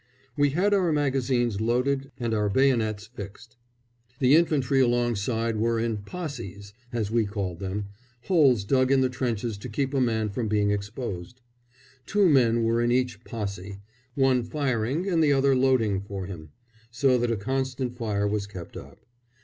We had our magazines loaded and our bayonets fixed. The infantry alongside were in "possies," as we called them, holes dug in the trenches to keep a man from being exposed. Two men were in each "possy," one firing and the other loading for him, so that a constant fire was kept up.